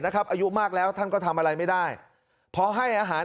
อายุมากแล้วท่านก็ทำอะไรไม่ได้พอให้อาหาร